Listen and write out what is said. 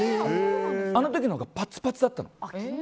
あの時のほうがパツパツだったの。